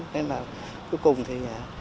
nên là cuối cùng thì